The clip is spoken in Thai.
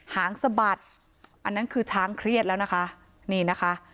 หางสะบัดอันนั้นคือช้างเครียดแล้วนะคะนี่นะคะ